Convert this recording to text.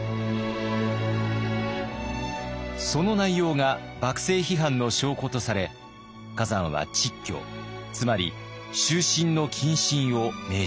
その内容が幕政批判の証拠とされ崋山は蟄居つまり終身の謹慎を命じられます。